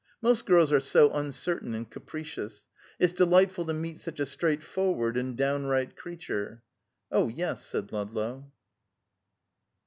Most girls are so uncertain and capricious. It's delightful to meet such a straightforward and downright creature." "Oh, yes," said Ludlow.